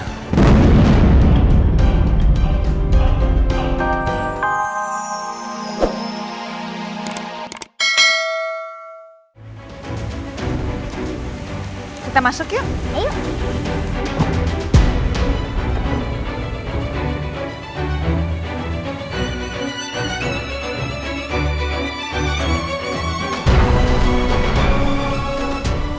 kita masuk yuk